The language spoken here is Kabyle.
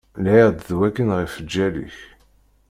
Lhiɣ-d d wakken ɣef lǧal-ik.